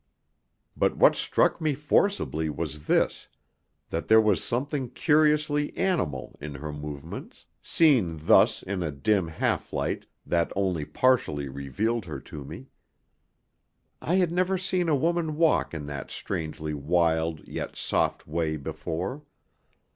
But what struck me forcibly was this, that there was something curiously animal in her movements, seen thus in a dim half light that only partially revealed her to me. I had never seen a woman walk in that strangely wild yet soft way before.